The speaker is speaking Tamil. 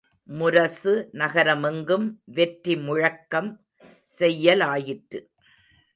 முரசு நகரமெங்கும் வெற்றி முழக்கம் செய்யலாயிற்று.